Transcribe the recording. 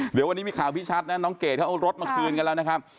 เดี๋ยววันนี้มีข่าวพี่ชัดนะน้องเกดเขาเอารถมาคืนกันแล้วนะครับ